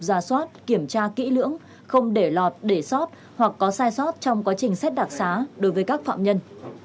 ra soát kiểm tra kỹ lưỡng không để lọt để soát hoặc có sai soát trong quá trình xét đặc xá đối với các phạm nhân